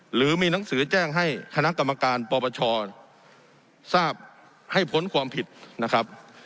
หรือมีหนังสือแจ้งให้คณะกรรมการปปชทราบให้พ้นความผิดนะครับ